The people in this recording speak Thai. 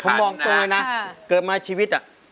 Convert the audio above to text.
ผมบอกตรงเลยนะเกิดมาชีวิต